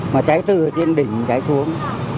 mà cháy từ trên đỉnh cháy xuống